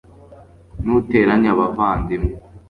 Nuteranya abavandimwe